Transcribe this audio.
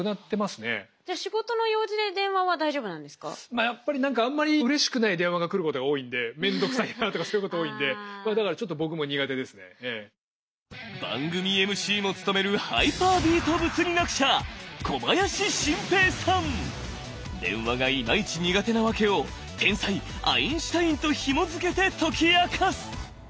まあやっぱり何かあんまりうれしくない電話が来ることが多いんで面倒くさいなとかそういうこと多いんで番組ＭＣも務めるハイパービート物理学者電話がイマイチ苦手なワケを天才アインシュタインとひもづけて解き明かす！